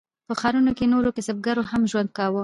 په ښارونو کې نورو کسبګرو هم ژوند کاوه.